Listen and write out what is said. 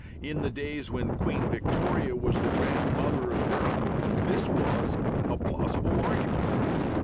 In the days when Queen Victoria was the grandmother of Europe this was a plausible argument.